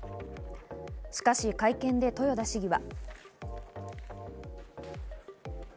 しかし、会見で豊田市議は。